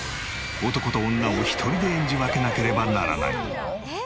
男と女を１人で演じ分けなければならない。